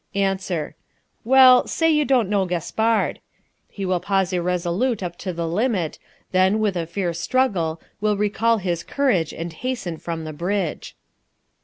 Answer. Well, say you don't know Gaspard. He will pause irresolute up to the limit, then, with a fierce struggle, will recall his courage and hasten from the Bridge.